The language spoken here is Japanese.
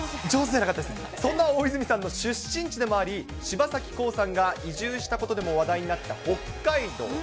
そんな大泉さんの出身地でもあり、柴咲コウさんが移住したことでも話題になった北海道。